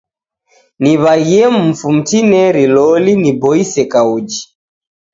Niw'aghie mufu mtineri loli diboise kauji.